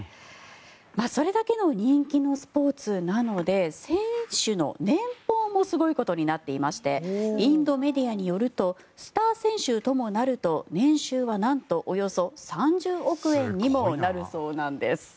それだけの人気のスポーツなので選手の年俸もすごいことになっていましてインドメディアによるとスター選手ともなると年収はなんとおよそ３０億円にもなるそうなんです。